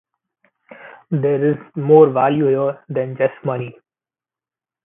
There is more value here than just money.